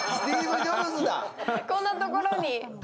こんなところに！